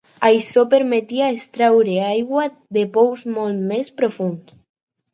Això permetia extreure aigua de pous molt més profunds.